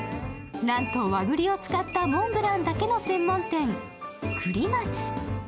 なんと和ぐりを使ったモンブランだけの専門店、くり松。